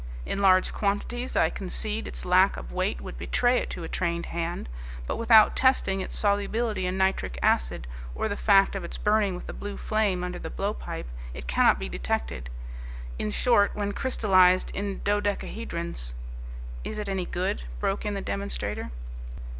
In large quantities, I concede, its lack of weight would betray it to a trained hand, but without testing its solubility in nitric acid, or the fact of its burning with a blue flame under the blow pipe, it cannot be detected. In short, when crystallized in dodecahedrons " "Is it any good?" broke in the demonstrator.